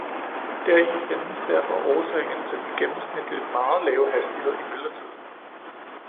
Deri findes derfor årsagen til den gennemsnitligt meget lave hastighed i myldretiderne.